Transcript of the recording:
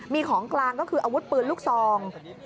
มีของกลางก็คืออาวุธปืนลูกซอง